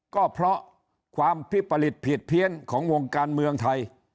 ก็เพราะความพิปริตผิดเพี้ยนของวงการเมืองไทย